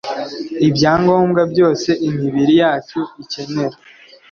Ibyangombwa byose imibiri yacu ikenera